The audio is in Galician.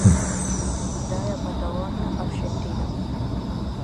Cidade da Patagonia, Arxentina.